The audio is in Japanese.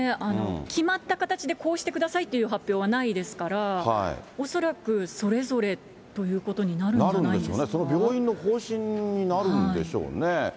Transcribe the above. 決まった形でこうしてくださいという発表はないですから、恐らくそれぞれということになるんじゃなるんでしょうね、その病院の方針になるんでしょうね。